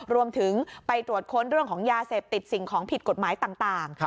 รวมไปถึงไปตรวจค้นเรื่องของยาเสพติดสิ่งของผิดกฎหมายต่าง